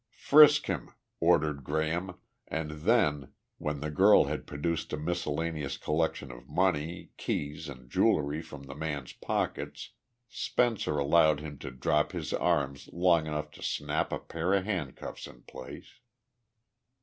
"Frisk him!" ordered Graham, and then, when the girl had produced a miscellaneous collection of money, keys and jewelry from the man's pockets, Spencer allowed him to drop his arms long enough to snap a pair of handcuffs in place.